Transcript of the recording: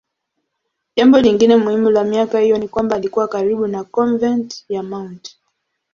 Jambo lingine muhimu la miaka hiyo ni kwamba alikuwa karibu na konventi ya Mt.